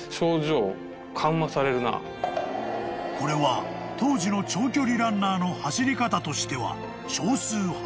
［これは当時の長距離ランナーの走り方としては］